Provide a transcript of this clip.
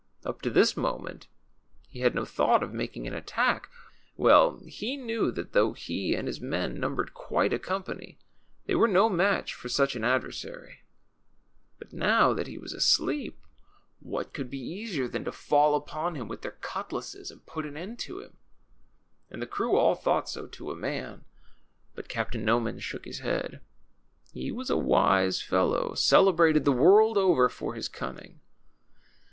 Up to this moment he had no thouglit of making an attack. Well he knew that, though he and his men numbered quite a company, they Avere no match for such an adversary. But noAV that he Avas asleep, what could be easier than to fall upon him Avitli their cutlasses and put an end to him? And the creAv all thought so to a man ; but Captain Noman shook his head. He was a Avise fellow, cele brated the Avorld over for his cunning.